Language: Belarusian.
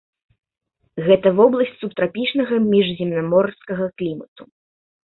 Гэта вобласць субтрапічнага міжземнаморскага клімату.